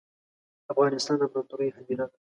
افغانستان ده امپراتوریو هدیره ده